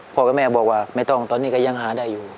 กับแม่บอกว่าไม่ต้องตอนนี้ก็ยังหาได้อยู่